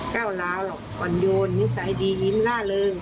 ก้าวร้าวหรอกอ่อนโยนนิสัยดียิ้มล่าเริง